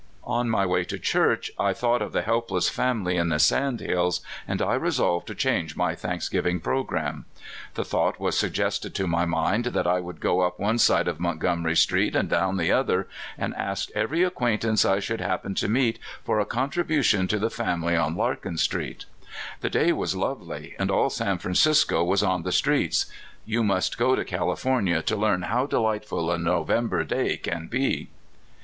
On my way to church I thought of the helpless family in the sand hills, and I resolved to change my thanksgiving programme. The thought was suggested to my mind that I would go up one side of Montgomery street and down the other, and ask every acquaintance I should happen to meet for a contribution to my prottgts on Larkin street. The day was lovely, and all San Francisco was on the streets. (You must go to California to learn how delightful a November day can be.)